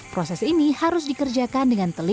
proses ini harus dikerjakan dengan teliti